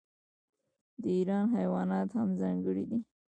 د ایران حیوانات هم ځانګړي دي.